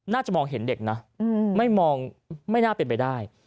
น่าจะมองเห็นเด็กนะไม่มองไม่น่าเป็นไปได้